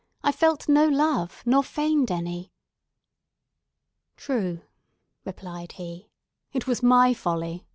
I felt no love, nor feigned any." "True," replied he. "It was my folly!